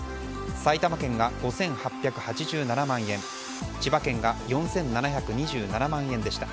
埼玉県が５８８７万円千葉県が４７２７万円でした。